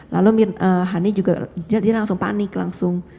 lalu hani juga dia langsung panik langsung